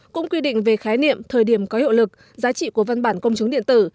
cũng quy định về khái niệm thời điểm có hiệu lực giá trị của văn bản công chứng điện tử